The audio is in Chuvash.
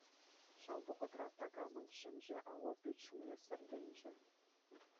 Ҫав вӑхӑтра такамӑн ҫӗмҫе алли пит ҫумне сӗртӗнчӗ.